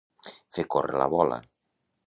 Fer córrer la bola.